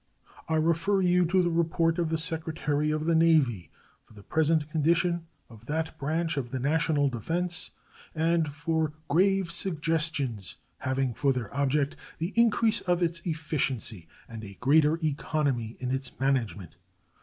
I refer you to the report of the Secretary of the Navy for the present condition of that branch of the national defense and for grave suggestions having for their object the increase of its efficiency and a greater economy in its management.